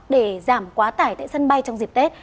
để giảm quá tải tại sân bay trong dịp tết